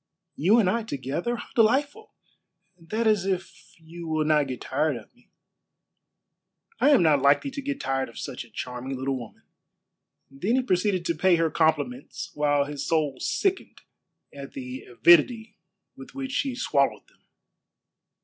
"You and I together. How delightful! That is if you will not get tired of me." "I am not likely to get tired of such a charming little woman." Then he proceeded to pay her compliments, while his soul sickened at the avidity with which she swallowed them.